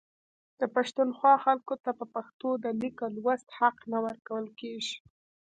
د پښتونخوا خلکو ته په پښتو د لیک او لوست حق نه ورکول کیږي